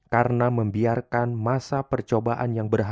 karena membiarkan masa percobaan yang mereka miliki